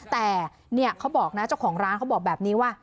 แต่เนี่ยเขาบอกนะเจ้าของร้านเขาบอกแบบนี้ว่า